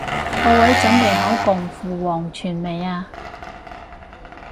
各位準備好共赴黃泉未啊？